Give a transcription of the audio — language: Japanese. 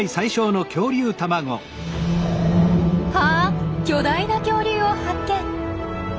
あっ巨大な恐竜を発見！